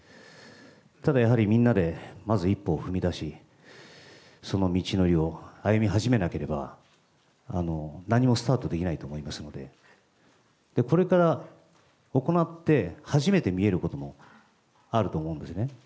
ただやはり、みんなでまず一歩を踏み出し、その道のりを歩み始めなければ、何もスタートできないと思いますので、これから行って初めて見えることもあると思うんですね。